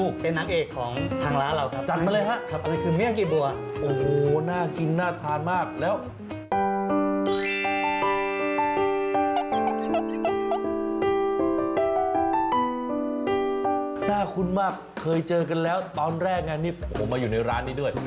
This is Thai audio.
เคยเจอกันแล้วตอนแรกงานนี้ผมมาอยู่ในร้านนี้ด้วย